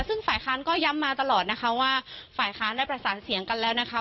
ซึ่งฝ่ายค้านก็ย้ำมาตลอดนะคะว่าฝ่ายค้านได้ประสานเสียงกันแล้วนะคะ